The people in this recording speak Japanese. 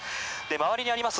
周りにあります